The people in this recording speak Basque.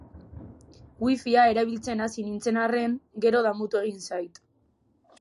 Wifia erabiltzen hasi nintzen arren, gero damutu egin zait.